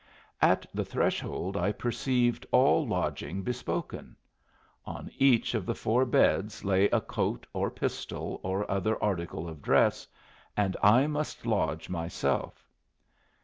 At the threshold I perceived all lodging bespoken. On each of the four beds lay a coat or pistol or other article of dress, and I must lodge myself.